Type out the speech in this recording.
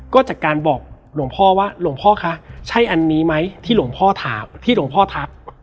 ก็จัดการบอกหลวงพ่อว่าหลวงพ่อคะใช่อันนี้ไหมที่หลวงพ่อถัก